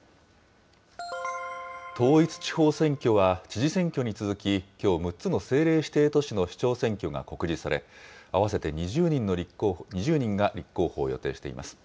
統一地方選挙は、知事選挙に続き、きょう、６つの政令指定都市の市長選挙が告示され、合わせて２０人が立候補を予定しています。